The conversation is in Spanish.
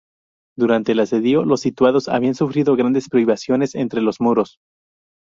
Durante el asedio los sitiados habían sufrido grandes privaciones entre los muros.